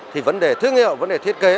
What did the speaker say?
thì vấn đề thương hiệu vấn đề thiết kế